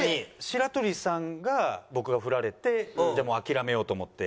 白鳥さんが僕がフラれて諦めようと思って。